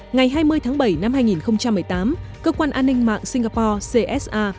ngày hai mươi tháng bảy năm hai nghìn một mươi tám cơ quan an ninh mạng singapore csa